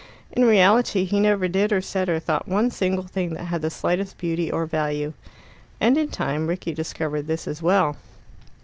In reality he never did or said or thought one single thing that had the slightest beauty or value. And in time Rickie discovered this as well.